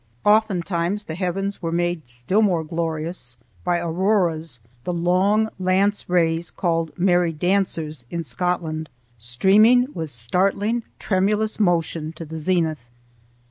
Oftentimes the heavens were made still more glorious by auroras, the long lance rays, called "Merry Dancers" in Scotland, streaming with startling tremulous motion to the zenith.